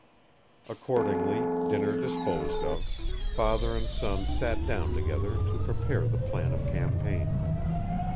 Accordingly, dinner disposed of, father and son sat down together to prepare the plan of campaign.